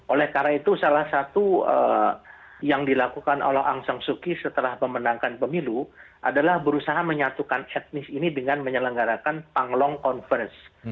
oleh karena itu salah satu yang dilakukan oleh angsang suki setelah memenangkan pemilu adalah berusaha menyatukan etnis ini dengan menyelenggarakan panglong conference